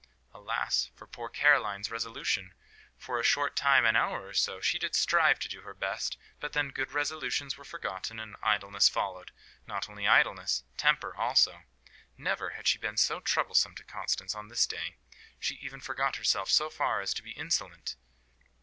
Alas for poor Caroline's resolution! For a short time, an hour or so, she did strive to do her best; but then good resolutions were forgotten, and idleness followed. Not only idleness, temper also. Never had she been so troublesome to Constance as on this day; she even forgot herself so far as to be insolent.